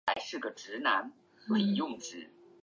祖父娄旺。